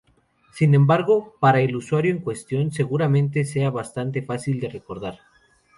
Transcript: Sin embargo, para el usuario en cuestión seguramente sea bastante fácil de recordar.